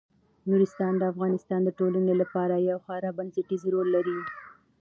نورستان د افغانستان د ټولنې لپاره یو خورا بنسټيز رول لري.